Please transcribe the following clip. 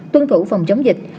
tuân thủ phòng chống dịch